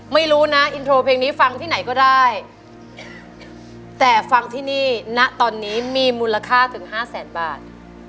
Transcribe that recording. ไม่รู้นะอินโทรเพลงนี้ฟังที่ไหนก็ได้แต่ฟังที่นี่ณตอนนี้มีมูลค่าถึงห้าแสนบาท